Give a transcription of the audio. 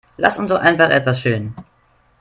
Lass uns doch einfach etwas chillen.